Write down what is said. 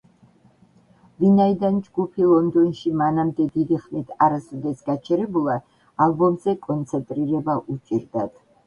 ვინაიდან ჯგუფი ლონდონში მანამდე დიდი ხნით არასოდეს გაჩერებულა, ალბომზე კონცენტრირება უჭირდათ.